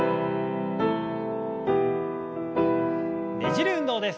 ねじる運動です。